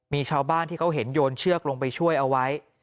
มีชาวบ้านที่เขาเห็นโยนเชือกลงไปช่วยเอาไว้